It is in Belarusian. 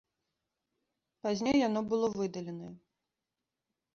Пазней яно было выдаленае.